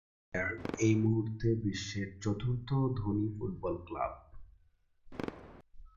Bayern এই মুহূর্তে বিশ্বের চতুর্থ ধনী ফুটবল ক্লাব।